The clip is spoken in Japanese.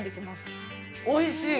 おいしい！